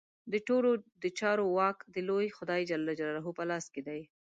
د ټولو چارو واک د لوی خدای جل جلاله په لاس کې دی.